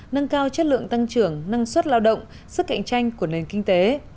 nâng cao chất lượng tăng trưởng năng suất lao động sức cạnh tranh của nền kinh tế